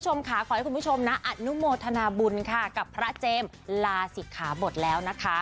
คุณผู้ชมค่ะขอให้คุณผู้ชมนะอนุโมทนาบุญค่ะกับพระเจมส์ลาศิกขาบทแล้วนะคะ